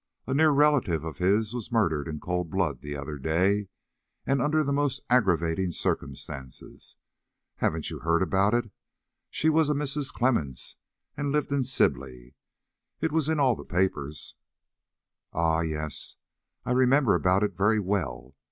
A near relative of his was murdered in cold blood the other day, and under the most aggravating circumstances. Haven't you heard about it? She was a Mrs. Clemmens, and lived in Sibley. It was in all the papers." "Ah, yes; I remember about it very well.